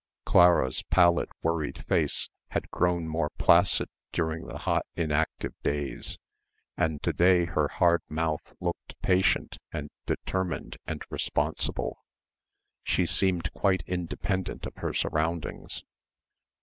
Clara's pallid worried face had grown more placid during the hot inactive days, and to day her hard mouth looked patient and determined and responsible. She seemed quite independent of her surroundings.